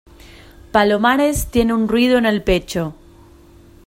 palomares tiene un ruido en el pecho